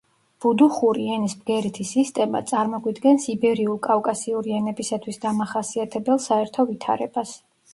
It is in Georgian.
ბუდუხური ენის ბგერითი სისტემა წარმოგვიდგენს იბერიულ-კავკასიური ენებისათვის დამახასიათებელ საერთო ვითარებას.